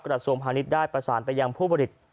กระทรวงพาณิชย์ได้ประสานไปยังผู้ผลิต